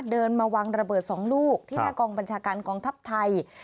เดินมาวางระเบิด๒ลูกที่หน้ากองบัญชาการกองทัพไทย